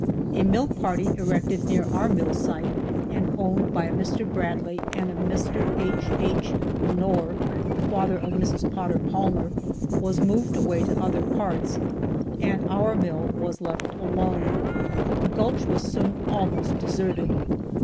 A mill partly erected near our mill site, and owned by a Mr. Bradley and a Mr. H. H. Honore, the father of Mrs. Potter Palmer, was moved away to other parts, and our mill was left alone. The gulch was soon almost deserted.